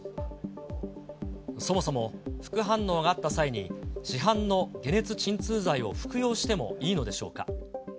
そもそも副反応があった際に、市販の解熱鎮痛剤を服用してもいいのでしょうか。